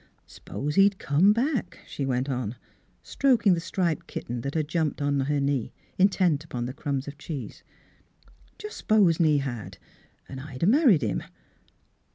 " S'pose he'd come back," she went on, stroking the striped kitten that had jumped to her knee, intent upon the crumbs of cheese, " just s'posen he had, 'n' I'd 'a' married him.